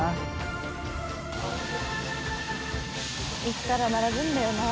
行ったら並ぶんだよな。